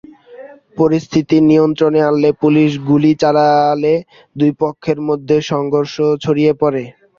পরিস্থিতি নিয়ন্ত্রণে আনতে পুলিশ গুলি চালালে দুই পক্ষের মধ্যে সংঘর্ষ ছড়িয়ে পড়ে।